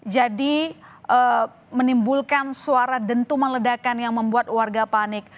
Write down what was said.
jadi menimbulkan suara dentu meledakan yang membuat warga panik